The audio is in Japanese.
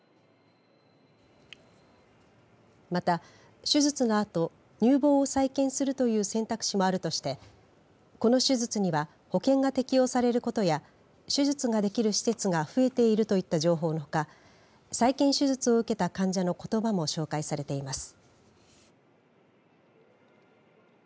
また、手術のあと乳房を再建するという選択肢もあるとしてこの手術には保険が適用されることや手術ができる施設が増えているといった情報のほか再建手術を受けた患者のことばも紹介されています。